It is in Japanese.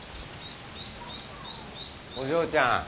お嬢ちゃん